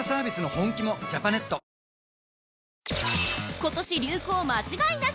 ◆ことし流行間違いなし！